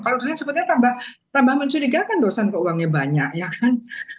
kalau sebetulnya tambah mencurigakan dosen ke uangnya banyak ya kan